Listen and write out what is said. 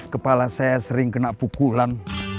kepala saya sering kena pukulan